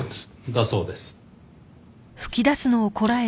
だそうです。